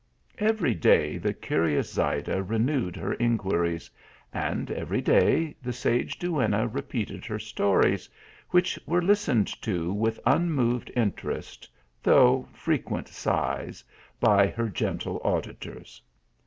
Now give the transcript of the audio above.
Every day the curious Zayda renewed her in quiries; and every day the sage duenna repeated her stories, which were listened to with unmoved inter est, though frequent sighs, by her gentle auditors.